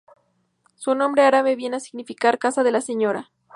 Su nombre árabe viene a significar "Casa de la Señora".